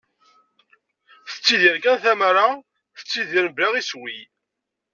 Tettidir kan tamara, tettidir bla iswi.